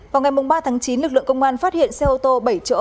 vào ngày ba tháng chín lực lượng công an phát hiện xe ô tô bảy chỗ